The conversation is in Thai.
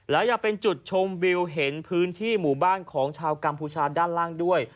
แล้วยังเป็นจุดชมวิวเห็นพื้นที่หมู่บ้านของชาวกัมพูชาด้านล่างด้วย